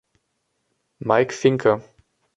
Mike Fincke“.